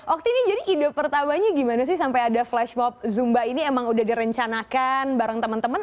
okti ini jadi ide pertamanya gimana sih sampai ada flashmob zumba ini emang udah direncanakan bareng teman teman